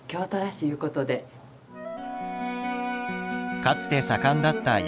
かつて盛んだった養蚕業。